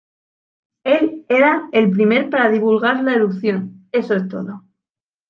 Él era el primer para divulgar la erupción, "¡Eso es todo!